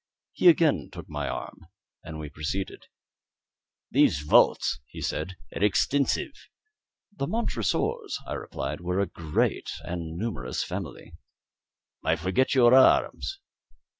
He again took my arm, and we proceeded. "These vaults," he said, "are extensive." "The Montresors," I replied, "were a great and numerous family." "I forget your arms."